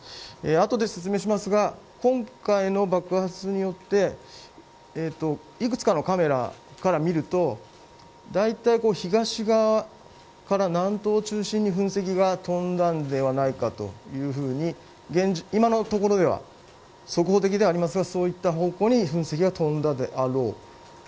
後で説明しますが今回の爆発によっていくつかのカメラから見るとだいたい東側から南東を中心に噴石が飛んだのではないかというふうに今のところでは速報的ではありますがそういった方向に噴石が飛んだであろうと。